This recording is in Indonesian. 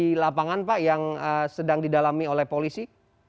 di lapangan pak yang sedang didalami oleh polisi